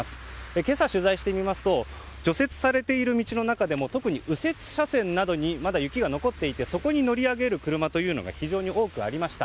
今朝、取材してみますと除雪されている道の中でも特に右折車線などにまだ雪が残っていてそこに乗り上げる車というのが非常に多くありました。